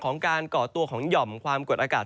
ของการก่อตัวของหย่อมความกดอากาศ